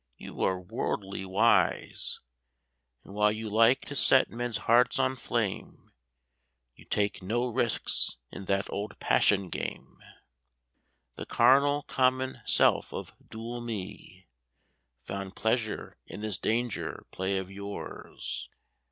You are worldly wise, And while you like to set men's hearts on flame, You take no risks in that old passion game. The carnal, common self of dual me Found pleasure in this danger play of yours.